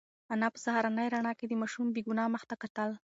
انا په سهارنۍ رڼا کې د ماشوم بې گناه مخ ته کتل.